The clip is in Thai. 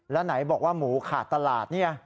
แล้วไหนบอกว่าหมูขาดตลาดนี่